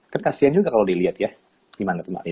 kan kasian juga kalo dilihat ya